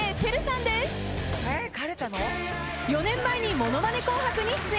４年前に『ものまね紅白』に出演。